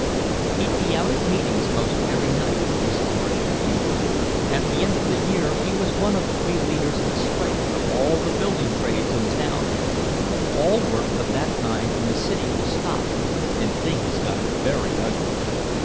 "He'd be out at meetings most every night," Mrs. Marsh continued. "At the end of the year he was one of three leaders in a strike of all the building trades in town. All work of that kind in the city was stopped and things got very ugly.